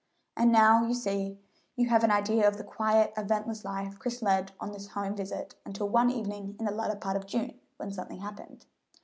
And now, you see, you have an idea of the quiet, eventless life Chris led on this home visit until one evening in the latter part of June, when something happened.